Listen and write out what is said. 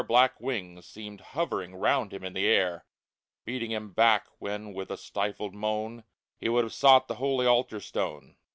Black wings seemed hovering round him in the air, Beating him back when with a stifled moan He would have sought the holy altar stone.